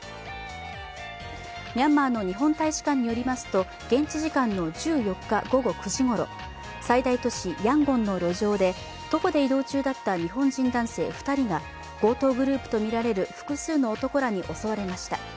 ミャンマーの日本大使館によりますと、現地時間の１４日、午後９時ごろ最大都市ヤンゴンの路上で徒歩で移動中だった日本人男性２人が強盗グループとみられる複数の男らに襲われました。